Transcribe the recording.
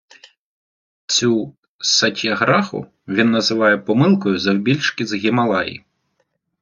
Цю Сатьяграху він називає "помилкою завбільшки з Гімалаї".